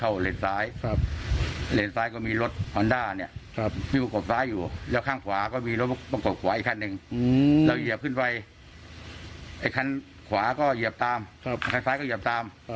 ไอ้คันขวาก็เหยียบตามคันซ้ายก็เหยียบตาม